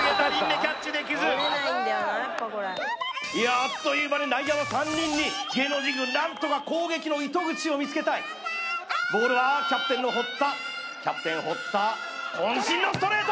キャッチできずいやあっという間に内野は３人に芸能人軍何とか攻撃の糸口を見つけたいボールはキャプテンの堀田キャプテン堀田渾身のストレート！